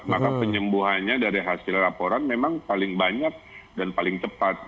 maka penyembuhannya dari hasil laporan memang paling banyak dan paling cepat